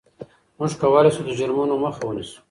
موږ کولای شو د جرمونو مخه ونیسو.